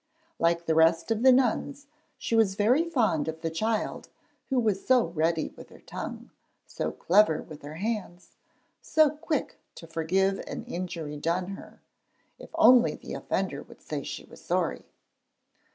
Like the rest of the nuns she was very fond of the child who was so ready with her tongue, so clever with her hands, so quick to forgive an injury done her, if only the offender would say she was sorry!